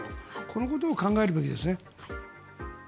このことを考えるべきですね。